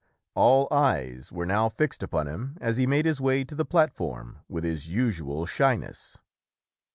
All eyes were now fixed upon him as he made his way to the plat form with his usual shyness.